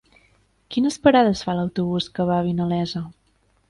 Quines parades fa l'autobús que va a Vinalesa?